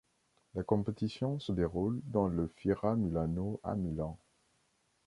La compétition se déroule dans le Fiera Milano à Milan.